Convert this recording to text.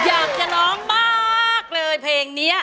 อยากจะน้องมากเลยเพลงนี้